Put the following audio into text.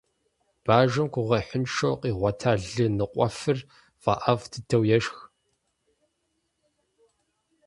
Бажэм гугъуехьыншэу къигъуэта лы ныкъуэфыр фӀэӀэфӀ дыдэу ешх.